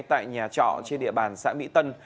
tại nhà trọ trên địa bàn xã mỹ tân